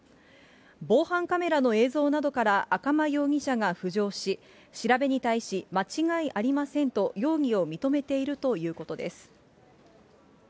防犯カメラの映像などから、赤間容疑者が浮上し、調べに対し、間違いありませんと容疑を認めているということです。